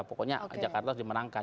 pokoknya jakarta harus dimenangkan